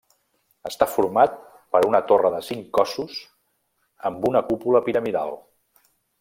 Està format per una torre de cinc cossos amb una cúpula piramidal.